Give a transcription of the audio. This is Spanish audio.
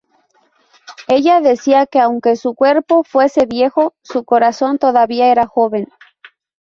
Ella decía que, aunque su cuerpo fuese viejo, su corazón todavía era joven.